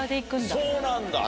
そうなんだ。